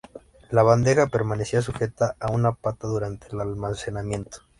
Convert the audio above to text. La bandeja permanecía sujeta a una pata durante el almacenamiento.